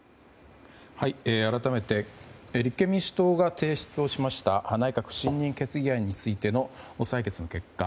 改めて立憲民主党が提出をしました内閣不信任決議案についての採決の結果。